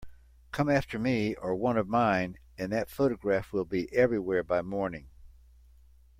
Come after me or one of mine, and that photograph will be everywhere by morning.